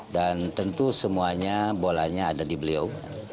dan tentu semuanya bolanya ada di beliau